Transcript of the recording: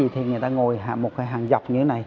thì người ta ngồi một hàng dọc như thế này